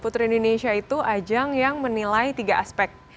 putri indonesia itu ajang yang menilai tiga aspek